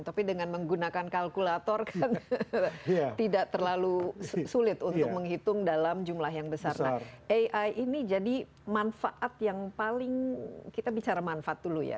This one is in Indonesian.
tapi dengan menggunakan kalkulator kan tidak terlalu sulit untuk menghitung dalam jumlah yang besar nah ai ini jadi manfaat yang paling kita bicara manfaat dulu ya